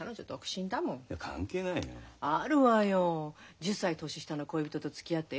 １０歳年下の恋人とつきあってよ？